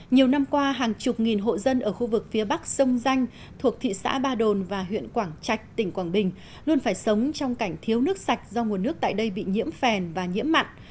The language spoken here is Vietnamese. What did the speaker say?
nhiều năm qua hàng chục nghìn hộ dân ở khu vực phía bắc sông danh thuộc thị xã ba đồn và huyện quảng trạch tỉnh quảng bình luôn phải sống trong cảnh thiếu nước sạch do nguồn nước tại đây bị nhiễm phèn và nhiễm mặn